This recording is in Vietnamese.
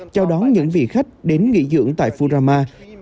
chào đón những vị khách đến nghỉ dưỡng tại furama